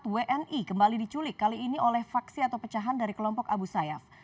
empat wni kembali diculik kali ini oleh faksi atau pecahan dari kelompok abu sayyaf